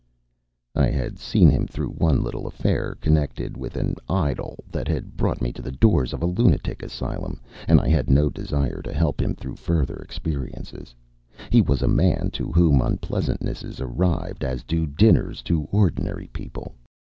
I had seen him through one little affair connected with an idol that had brought me to the doors of a lunatic asylum, and I had no desire to help him through further experiences. He was a man to whom unpleasantnesses arrived as do dinners to ordinary people.